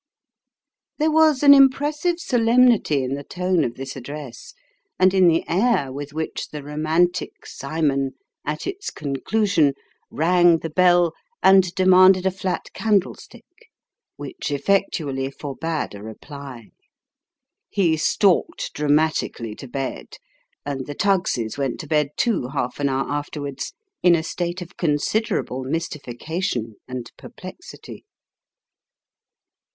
There was an impressive solemnity in the tone of this address, and in the air with which the romantic Cymon, at its conclusion, rang the bell, and demanded a flat candlestick, which effectually forbade a reply. He stalked dramatically to bed, and the Tuggs's went to bed too, half an hour afterwards, in a state of considerable mystification and perplexity.